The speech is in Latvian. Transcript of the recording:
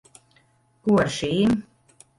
Ko ar šīm?